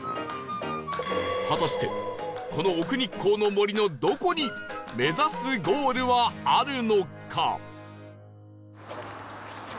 果たしてこの奥日光の森のどこに目指すゴールはあるのか？